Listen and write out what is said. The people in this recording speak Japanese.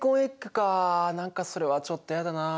何かそれはちょっと嫌だなあ。